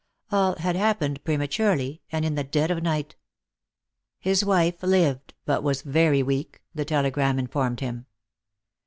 All had happened prematurely, and in the dead of night. His wife lived, but was very weak, the telegram informed him.